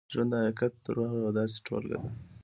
ژوند د حقیقت او درواغو یوه داسې ټولګه ده.